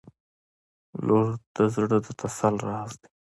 • لور د زړه د تسل راز دی.